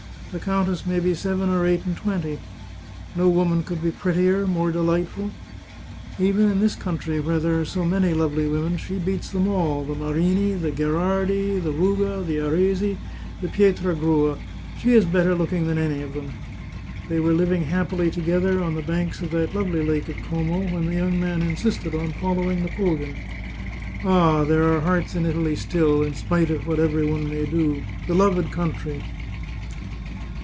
The countess may be seven or eight and twenty. No woman could be prettier, more delightful. Even in this country, where there are so many lovely women, she beats them all — the Marini, the Gherardi, the Ruga, the Aresi, the Pietragrua — she is better looking than any of them ! They were living happily together on the banks of that lovely Lake of Como when the young man insisted on following Napoleon. Ah, there are hearts in Italy still, in spite of what every one may do! Beloved country